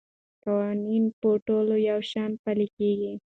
قانون په ټولو یو شان پلی کېږي.